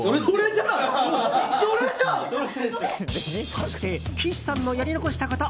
そして、岸さんのやり残したこと。